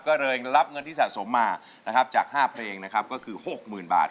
ก็เลยรับเงินที่สะสมมานะครับจาก๕เพลงนะครับก็คือ๖๐๐๐บาท